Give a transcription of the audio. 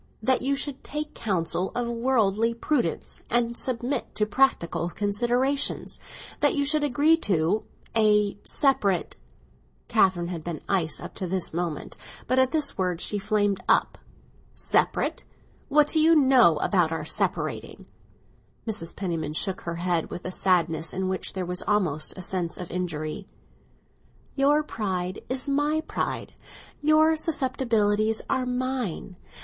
"That you should take counsel of worldly prudence, and submit to practical considerations. That you should agree to—a—separate." Catherine had been ice up to this moment, but at this word she flamed up. "Separate? What do you know about our separating?" Mrs. Penniman shook her head with a sadness in which there was almost a sense of injury. "Your pride is my pride, and your susceptibilities are mine.